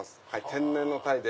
天然のタイで。